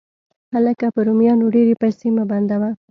هلکه! په رومیانو ډېرې پیسې مه بندوه